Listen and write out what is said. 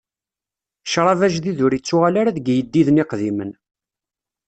Ccṛab ajdid ur ittuɣal ara deg iyeddiden iqdimen.